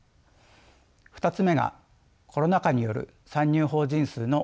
２つ目がコロナ禍による参入法人数の落ち込みです。